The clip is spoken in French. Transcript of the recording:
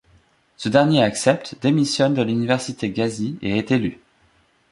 Ce dernier accepte, démissionne de l'université Gazi et est élu.